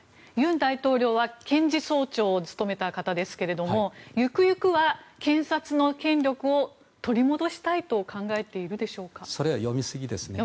尹大統領は検事総長を務めた方ですがゆくゆくは、検察の権力を取り戻したいとそれは読みすぎですね。